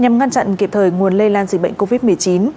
nhằm ngăn chặn kịp thời nguồn lây lan dịch bệnh covid một mươi chín